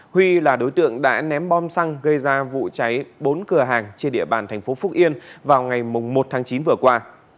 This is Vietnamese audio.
huy là đối tượng đã ném bom xăng gây ra vụ cháy bốn cửa hàng trên địa bàn thành phố phúc yên vào ngày một tháng chín vừa qua